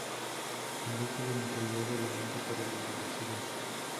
En busca de material relevante para la universidad.